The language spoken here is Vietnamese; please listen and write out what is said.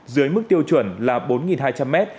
dưới mức tiêu chuẩn là bốn hai trăm linh m